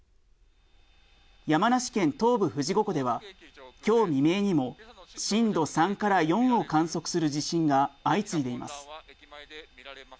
山梨県東部富士五湖では今日未明にも震度３から４を観測する地震が相次いでいます。